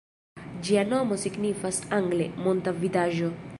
Ĝia nomo signifas angle "monta vidaĵo".